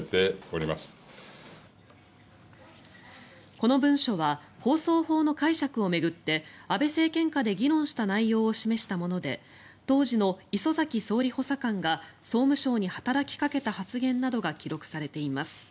この文書は放送法の解釈を巡って安倍政権下で議論した内容を示したもので当時の礒崎総理補佐官が総務省に働きかけた発言などが記録されています。